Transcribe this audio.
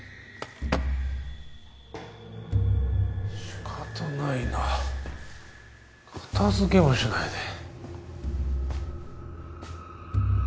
仕方ないな片付けもしないで